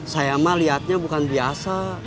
saya mah lihatnya bukan biasa